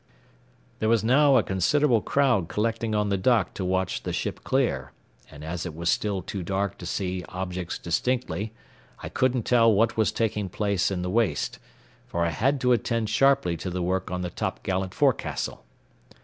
There was now a considerable crowd collecting on the dock to watch the ship clear, and as it was still too dark to see objects distinctly, I couldn't tell what was taking place in the waist, for I had to attend sharply to the work on the topgallant forecastle.